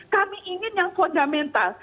kami ingin yang fundamental